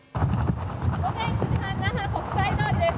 午前９時半那覇国際通りです。